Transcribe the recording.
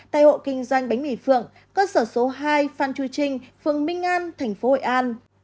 tại hộ kinh doanh bánh mì phượng cơ sở số hai phan chu trinh phường minh an tp hội an